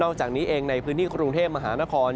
จากนี้เองในพื้นที่กรุงเทพมหานคร